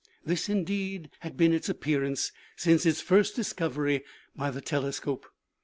This, indeed, had been its appearance since its first discovery by the telescope.